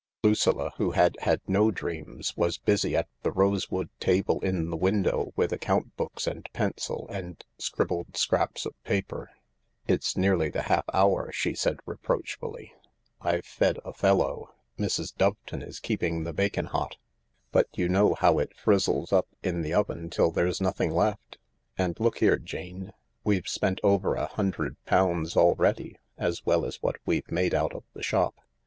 Lucilla, who had had no dreams, was busy at the rosewood table in the window with account books and pencil and scribbled scraps of paper. " It's nearly the half hour," she said reproachfully. " I've fed Othello, Mrs. Doveton is keeping the bacon hot but you know how it frizzles up in the oven till there's nothing left—and look here, Jane, we've spent over a hundred pounds already, as well as what we've made out of the shop.